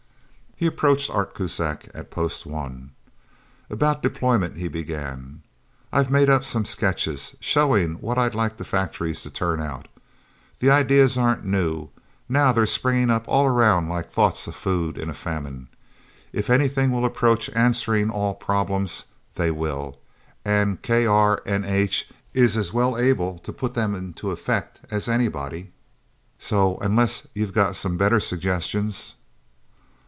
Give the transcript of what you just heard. He approached Art Kuzak at Post One. "About deployment," he began. "I've made up some sketches, showing what I'd like the factories to turn out. The ideas aren't new now they'll spring up all around like thoughts of food in a famine. If anything will approach answering all problems, they will. And KRNH is as well able to put them into effect as anybody... So unless you've got some better suggestions?"